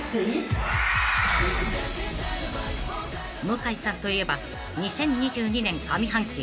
［向井さんといえば２０２２年上半期